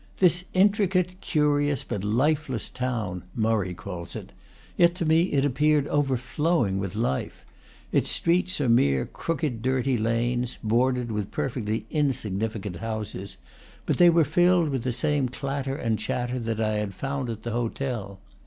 "This intricate, curious, but lifeless town," Murray calls it; yet to me it appeared overflowing with life. Its streets are mere crooked, dirty lanes, bordered with perfectly insignifi cant houses; but they were filled with the same clatter and chatter that I had found at the hotel.